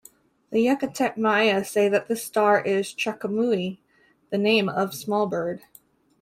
The Yucatec Maya say that this star is "chakumuy", the name of small bird.